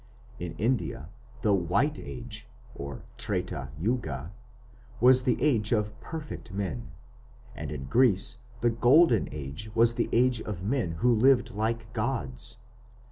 In India the White Age (Treta Yuga) was the age of perfect men, and in Greece the Golden Age was the age of men who lived like gods.